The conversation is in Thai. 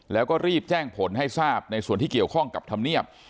แล้วก็รีบแจ้งผลให้ทราบในส่วนที่เกี่ยวข้องกับธรรมเนียบ